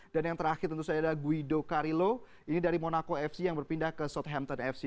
dan yang terakhir tentu saja ada guido carillo ini dari monaco fc yang berpindah ke southampton fc